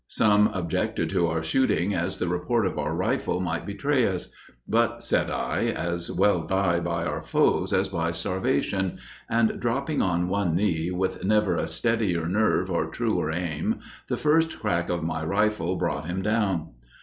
Some objected to our shooting as the report of our rifle might betray us—but said I, as well die by our foes as by starvation, and dropping on one knee with never a steadier nerve or truer aim, the first crack of my rifle brought him down.